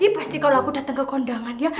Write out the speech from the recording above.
pasti kalo aku dateng ke kondangan ya